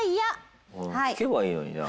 聞けばいいのにな。